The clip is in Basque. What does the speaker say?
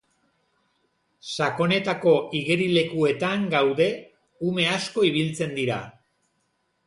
Sakonetako igerilekuetan gaude ume asko ibiltzen dira.